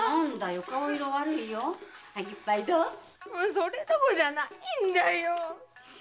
それどころじゃないんだよ。